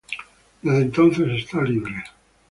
Desde entonces está libre.